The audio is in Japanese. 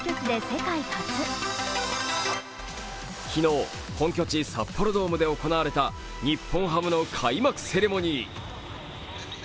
昨日本拠地札幌ドームで行われた日本ハムの開幕セレモニー。